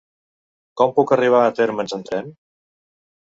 Com puc arribar a Térmens amb tren?